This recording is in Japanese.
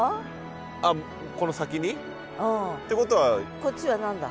あっこの先に？ってことは。